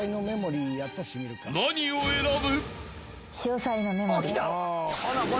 ［何を選ぶ？］